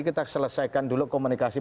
kita selesaikan dulu komunikasi